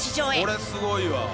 これすごいわ！